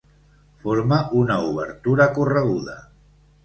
Forma una obertura correguda.